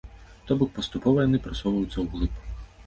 То бок, паступова яны прасоўваюцца ўглыб.